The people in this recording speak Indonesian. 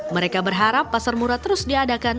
mereka berharap pasar murah terus diadakan